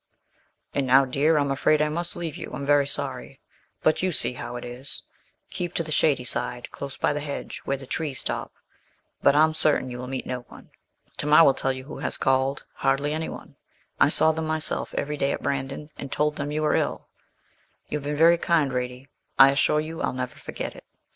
'And now, dear, I'm afraid I must leave you I'm very sorry; but you see how it is; keep to the shady side, close by the hedge, where the trees stop; but I'm certain you will meet no one. Tamar will tell you who has called hardly anyone I saw them myself every day at Brandon, and told them you were ill. You've been very kind, Radie; I assure you I'll never forget it.